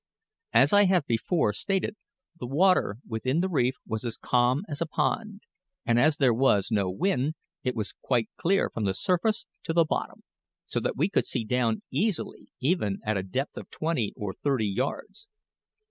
As I have before stated, the water within the reef was as calm as a pond; and as there was no wind, it was quite clear from the surface to the bottom, so that we could see down easily even at a depth of twenty or thirty yards.